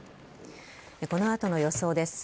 この後の予想です。